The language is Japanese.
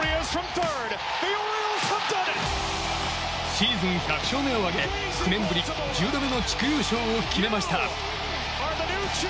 シーズン１００勝目を挙げ９年ぶり１０度目の地区優勝を決めました。